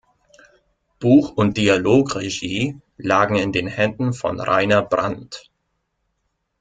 Buch und Dialogregie lagen in den Händen von Rainer Brandt.